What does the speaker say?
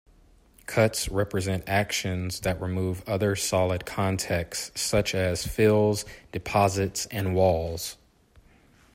Cuts represent actions that remove other solid contexts such as fills, deposits, and walls.